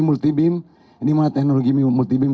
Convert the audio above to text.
multi beam dimana teknologi multi beam